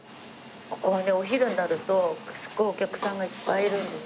ここはねお昼になるとすごいお客さんがいっぱいいるんですよ。